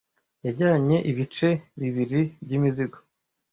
Yajyanye ibice bibiri by'imizigo.